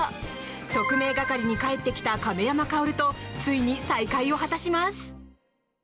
特命係に帰ってきた亀山薫とついに再会を果たします！